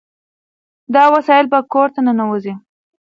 دا وسایل به کور ته ننوځي.